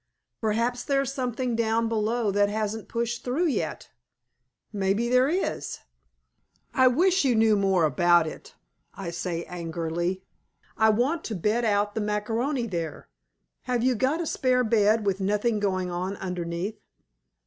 "Perhaps there's something down below that hasn't pushed through yet?" "Maybe there is." "I wish you knew more about it," I say angrily; "I want to bed out the macaroni there. Have we got a spare bed, with nothing going on underneath?"